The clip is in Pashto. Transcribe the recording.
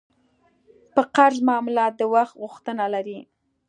په قرض معامله د وخت غوښتنه لري.